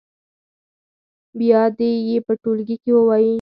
بیا دې یې په ټولګي کې ووايي.